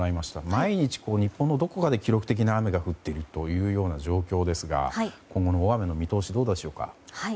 毎日、日本のどこかで記録的な雨が降っている状況ですが、今後の大雨の見通しどうでしょうか。